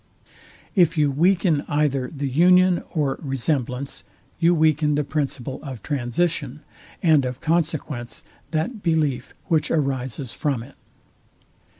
If you weaken either the union or resemblance, you weaken the principle of transition, and of consequence that belief, which arises from it.